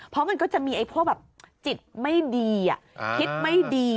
เพราะมันก็จะมีพวกแบบจิตไม่ดีคิดไม่ดี